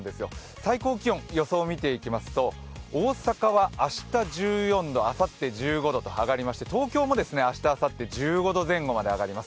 最高気温の予想を見ていきますと大阪は明日１４度あさって１５度と上がりまして東京も明日あさって１５度前後まで上がります。